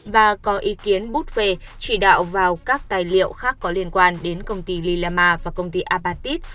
và có ý kiến bút phê chỉ đạo vào các tài liệu khác có liên quan đến công ty lilama và công ty apatit